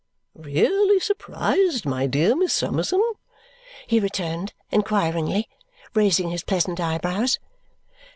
Really surprised, my dear Miss Summerson?" he returned inquiringly, raising his pleasant eyebrows.